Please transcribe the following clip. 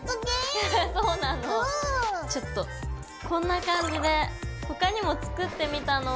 ちょっとこんな感じで他にも作ってみたの。